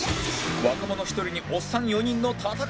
若者１人におっさん４人の戦いは